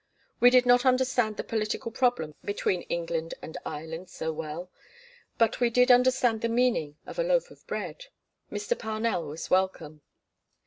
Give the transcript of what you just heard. We did not understand the political problem between England and Ireland so well but we did understand the meaning of a loaf of bread. Mr. Parnell was welcome.